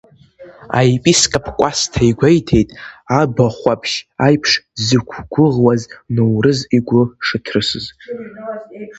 Аепископ Кәасҭа игәеиҭеит абахәаԥшь аиԥш дзықәгәыӷуаз Ноурыз игәы шыҭрысыз.